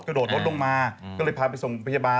กระโดดรถลงมาก็เลยพาไปส่งพยาบาล